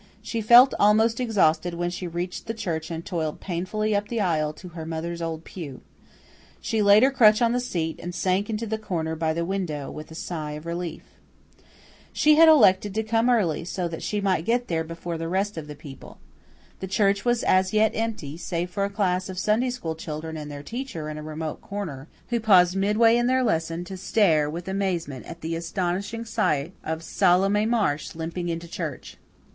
She felt almost exhausted when she reached the church and toiled painfully up the aisle to her mother's old pew. She laid her crutch on the seat, and sank into the corner by the window with a sigh of relief. She had elected to come early so that she might get there before the rest of the people. The church was as yet empty, save for a class of Sunday school children and their teacher in a remote corner, who paused midway in their lesson to stare with amazement at the astonishing sight of Salome Marsh limping into church.